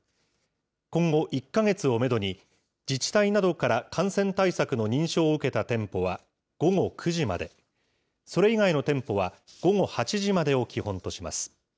今後、１か月をメドに、自治体などから感染対策の認証を受けた店舗は午後９時まで、それ以外の店舗は午後８時までを基本とします。